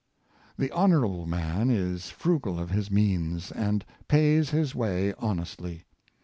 The honorable man is frugal of his means, and pays his way honestly.